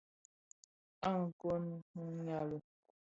A kôn nyali.